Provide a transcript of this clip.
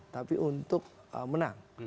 tapi untuk menang